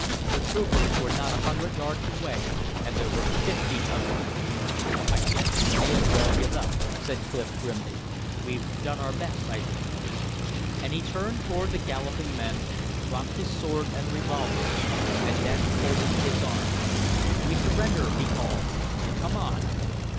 The troopers were not a hundred yards away, and there were fifty of them. "I guess we may as well give up," said Clif, grimly. "We've done our best, I think." And he turned toward the galloping men, dropped his sword and revolver, and then folded his arms. "We surrender," he called. "Come on."